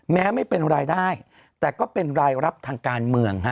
แม้ไม่เป็นรายได้แต่ก็เป็นรายรับทางการเมืองฮะ